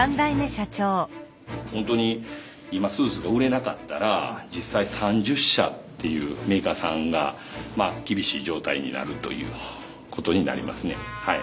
本当に今スーツが売れなかったら実際３０社っていうメーカーさんが厳しい状態になるということになりますね。